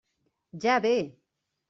Ja ve!